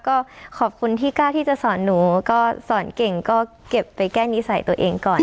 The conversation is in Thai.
ก็ขอบคุณที่กล้าที่จะสอนหนูก็สอนเก่งก็เก็บไปแก้นิสัยตัวเองก่อน